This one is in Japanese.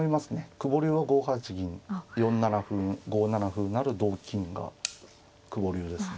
久保流は５八銀５七歩成同金が久保流ですね。